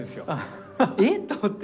「えっ？」と思って